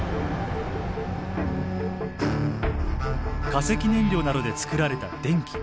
化石燃料などで作られた電気。